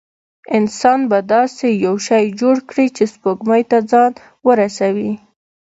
انسان به داسې یو شی جوړ کړي چې سپوږمۍ ته ځان ورسوي.